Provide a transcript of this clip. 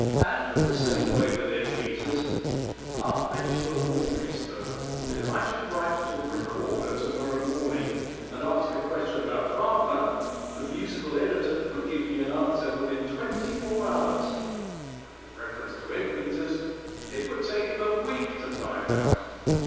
"And the same way with egg beaters. I'll bet you a laundry stove that if I should write to the Recorder to morrow morning, and ask a question about Wagner, the musical editor would give me an answer within twenty four hours; but with reference to egg beaters it would take 'em a week to find out.